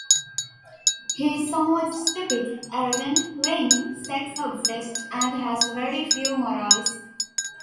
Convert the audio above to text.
He is somewhat stupid, arrogant, vain, sex-obsessed, and has very few morals.